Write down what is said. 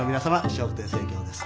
笑福亭生喬です。